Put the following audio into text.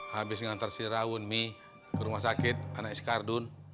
habis ngantar si raun mi ke rumah sakit anak is kardun